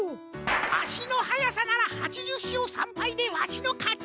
あしのはやさなら８０しょう３ぱいでわしのかち！